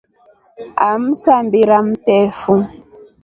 Amsambira mtefu.